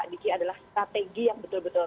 diki adalah strategi yang betul betul